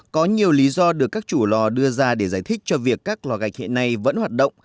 có nhiều lý do được các chủ lò đưa ra để giải thích cho việc các lò gạch hiện nay vẫn hoạt động